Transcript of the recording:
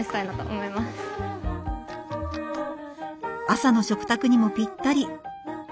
朝の食卓にもぴったり。